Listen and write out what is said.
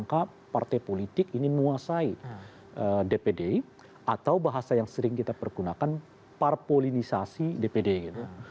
maka partai politik ini menguasai dpd atau bahasa yang sering kita pergunakan parpolinisasi dpd gitu